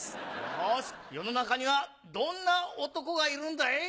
よし世の中にはどんな男がいるんだい？